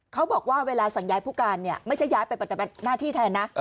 เขาบอกว่าเวลาสั่งย้ายผู้การเนี่ยไม่ใช่ย้ายไปปฏิบัติหน้าที่แทนนะ